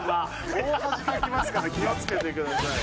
大恥かきますから気を付けてください。